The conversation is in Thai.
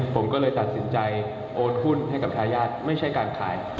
ผมก็เลยตัดสินใจโอนหุ้นให้กับทายาทไม่ใช่การขาย